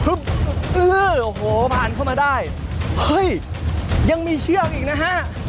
อื้อโอ้โหผ่านเข้ามาได้เฮ้ยยังมีเชือกอีกนะฮะ